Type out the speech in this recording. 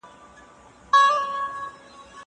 زه اوس ښوونځی ځم!!